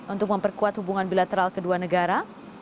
untuk memperkuat hubungan bilateral kedua negara